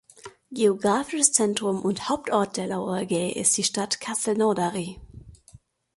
Geographisches Zentrum und Hauptort des Lauragais ist die Stadt Castelnaudary.